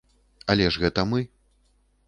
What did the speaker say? Але ж гэта мы.